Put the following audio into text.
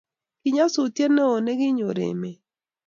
kinyasutiet newon ne kinyor emet